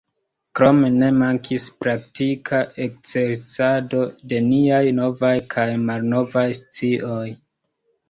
Krome ne mankis praktika ekzercado de niaj novaj kaj malnovaj scioj.